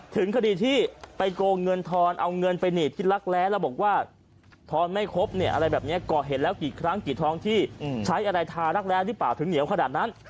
ถึงคดีที่ไปโกงเงินทอนเอาเงินไปหนีบที่รักแร้แล้วบอกว่าทอนไม่ครบเนี่ยอะไรแบบนี้ก่อเหตุแล้วกี่ครั้งกี่ท้องที่ใช้อะไรทารักแร้หรือเปล่าถึงเหนียวขนาดนั้น